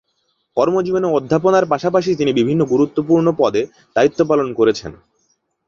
কর্মজীবনে অধ্যাপনার পাশাপাশি তিনি বিভিন্ন গুরুত্বপূর্ণ দায়িত্ব পালন করেছেন।